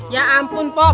ya ampun pok